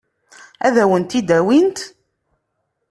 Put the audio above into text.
Ad wen-t-id-awint?